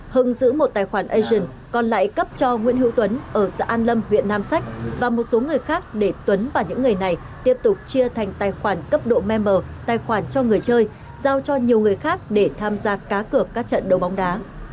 hưng giữ một tài khoản asian còn lại cấp cho nguyễn hữu tuấn ở xã an lâm huyện nam sách và một số người khác để tuấn và những người này tiếp tục chia thành tài khoản cấp độ member tài khoản cho người chơi giao cho nhiều người khác để tham gia cá cược các trận đấu bóng đá